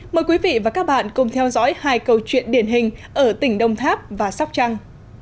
mời quý vị và các bạn cùng theo dõi hai câu chuyện điển hình ở tỉnh đông tháp và sóc trăng